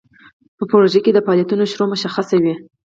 په پروژه کې د فعالیتونو شروع مشخصه وي.